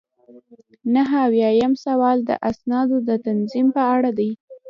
نهه اویایم سوال د اسنادو د تنظیم په اړه دی.